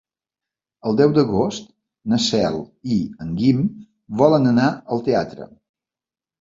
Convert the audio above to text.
El deu d'agost na Cel i en Guim volen anar al teatre.